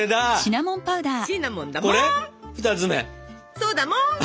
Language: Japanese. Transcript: そうだもん！